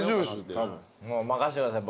もう任せてください。